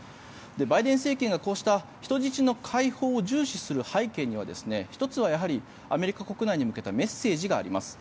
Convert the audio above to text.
バイデン政権がこうした人質の解放を重視する背景には１つはアメリカ国内に向けたメッセージがあります。